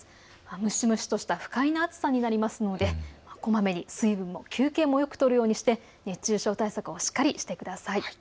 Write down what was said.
蒸し蒸しとした不快な暑さになるのでこまめに水分も休憩もとるようにして熱中症対策をしっかりしてください。